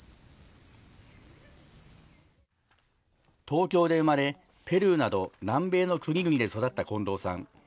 東京で生まれ、ペルーなど南米の国々で育った近藤さん。